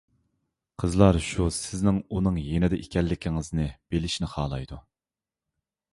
قىزلار شۇ سىزنىڭ ئۇنىڭ يېنىدا ئىكەنلىكىڭىزنى بىلىشنى خالايدۇ.